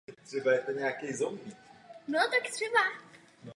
Zasedal v jejím představenstvu.